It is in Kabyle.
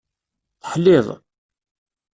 Teḥliḍ.